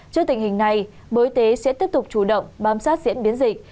trước tình hình này bộ y tế sẽ tiếp tục chủ động bám sát diễn biến dịch